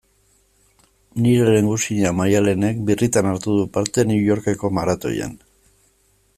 Nire lehengusina Maialenek birritan hartu du parte New Yorkeko maratoian.